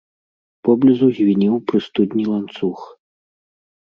Поблізу звінеў пры студні ланцуг.